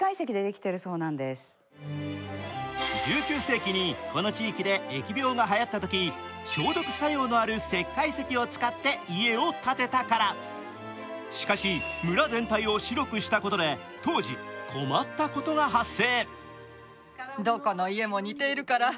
１９世紀にこの地域で疫病がはやったとき消毒作用のある石灰石を使って家を建てたからしかし、村全体を白くしたことで当時、困ったことが発生。